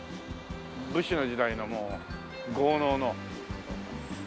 武士の時代のもう豪農の。